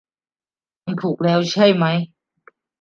มันถูกแล้วใช่ไหม